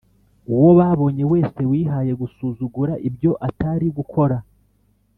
uwo babonye wese wihaye gusuzugura ibyo atari gukora